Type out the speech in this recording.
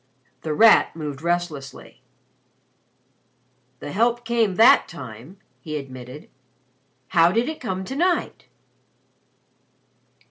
The Rat moved restlessly. "The help came that time," he admitted. "How did it come to night?"